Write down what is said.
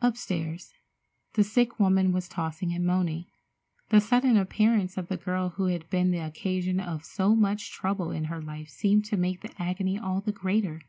Upstairs, the sick woman was tossing and moaning. The sudden appearance of the girl who had been the occasion of so much trouble in her life seemed to make the agony all the greater.